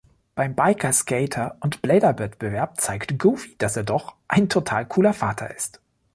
Beim Biker-Skater- und Blader-Wettbewerb zeigt Goofy, dass er doch ein total cooler Vater ist.